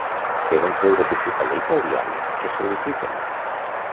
Segons l'eurodiputada italiana, què sol·liciten?